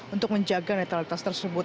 untuk menjaga netralitas tersebut